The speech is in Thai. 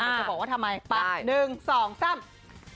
เดี๋ยวจะบอกว่าทำไม